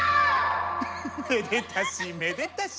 めでたしめでたし！